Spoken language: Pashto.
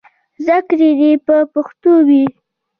زدهکړې دې په پښتو وي.